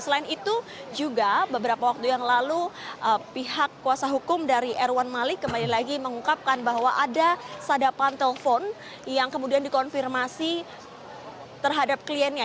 selain itu juga beberapa waktu yang lalu pihak kuasa hukum dari erwan malik kembali lagi mengungkapkan bahwa ada sadapan telpon yang kemudian dikonfirmasi terhadap kliennya